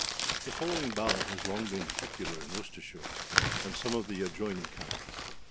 [THE following ballad has long been popular in Worcestershire and some of the adjoining counties.